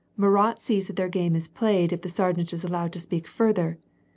" Murat sees that their game is played if the sergeant is al lowed to speak further.